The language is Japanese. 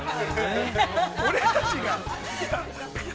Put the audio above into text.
◆俺たちが！